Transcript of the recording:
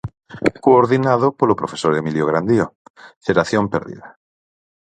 Coordinado polo profesor Emilio Grandío, Xeración perdida.